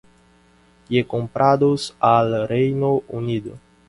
I comprados al Reino Unido.